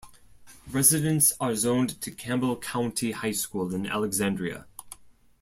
Residents are zoned to Campbell County High School in Alexandria.